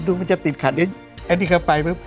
ดูมันจะติดขัดอันนี้เข้าไป